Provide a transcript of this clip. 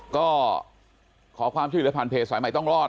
ก็ขอความช่วยเหลือผ่านเพจสายใหม่ต้องรอด